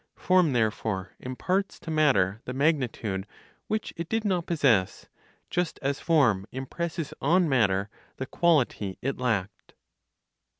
Form therefore imparts to matter the magnitude which it did not possess, just as form impresses on matter the quality it lacked.